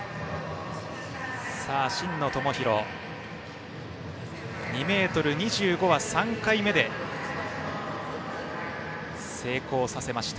真野友博、２ｍ２５は３回目で成功させました。